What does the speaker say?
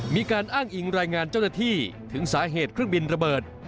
มีการอ้างอิงรายงานเจ้าหน้าที่ถึงสาเหตุเครื่องบินระเบิด